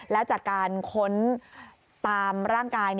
แล้วจากการค้นตามร่างกาย